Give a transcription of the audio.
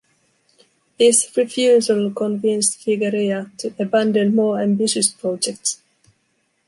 This refusal convinced Figueroa to abandon more ambitious projects.